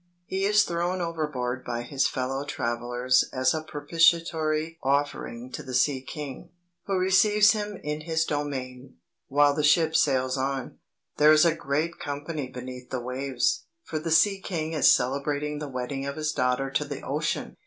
He is thrown overboard by his fellow travellers as a propitiatory offering to the Sea King, who receives him in his domain, while the ship sails on. There is a great company beneath the waves, for the Sea King is celebrating the wedding of his daughter to the Ocean.